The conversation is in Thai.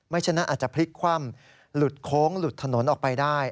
ฉะนั้นอาจจะพลิกคว่ำหลุดโค้งหลุดถนนออกไปได้